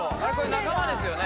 仲間ですよね